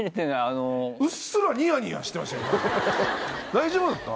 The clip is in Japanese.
大丈夫だった？